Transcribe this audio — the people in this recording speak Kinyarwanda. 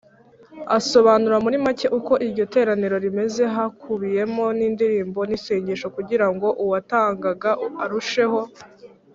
Asobanura muri make uko iryo teraniro rimeze hakubiyemo n’indirimbo n’isengesho kugira ngo uwatangaga arusheho